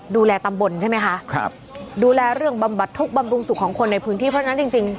ดูแลตำบลใช่ไหมคะครับดูแลเรื่องบำบัดทุกข์บำรุงสุขของคนในพื้นที่เพราะฉะนั้นจริงจริง